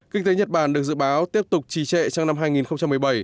kinh tế nhật bản được dự báo tiếp tục trì trệ trong năm hai nghìn một mươi bảy